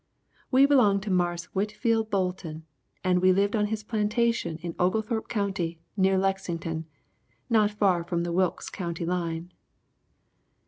We belonged to Marse Whitfield Bolton and we lived on his plantation in Oglethorpe County near Lexington, not far from the Wilkes County line.